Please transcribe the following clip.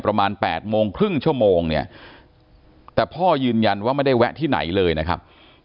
ประมาณ๘โมงครึ่งชั่วโมงเนี่ยแต่พ่อยืนยันว่าไม่ได้แวะที่ไหนเลยนะครับ